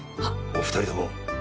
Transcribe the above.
お二人とも赤。